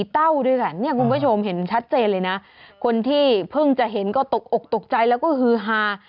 เต้าด้วยกันเนี่ยคุณผู้ชมเห็นชัดเจนเลยนะคนที่เพิ่งจะเห็นก็ตกอกตกใจแล้วก็ฮือฮา